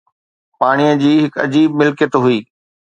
پاڻيءَ جي هڪ عجيب ملڪيت هئي